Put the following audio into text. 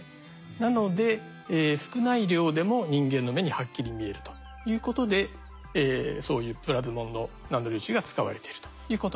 なので少ない量でも人間の目にはっきり見えるということでそういうプラズモンのナノ粒子が使われてるということなんですね。